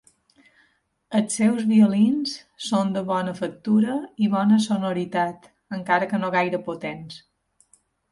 Els seus violins són de bona factura i bona sonoritat, encara que no gaire potents.